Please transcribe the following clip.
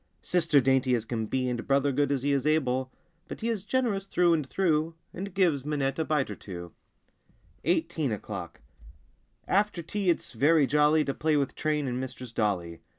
Sister dainty as can be, And Brother good as he is able. But he is generous through and through, And gives Minette a bite or two. 45 SEVENTEEN O'CLOCK 47 EIGHTEEN O'CLOCK 4ETER tea it's very jolly lTL To play with train and Mistress Dolly.